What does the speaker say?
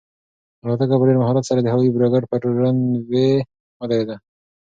الوتکه په ډېر مهارت سره د هوایي ډګر پر رن وې ودرېده.